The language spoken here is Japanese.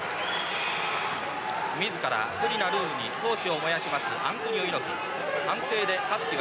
自ら、不利なルールに闘志を燃やしますアントニオ猪木。